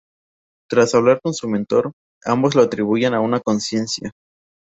Tras hablar con su mentor, ambos lo atribuyen a una coincidencia.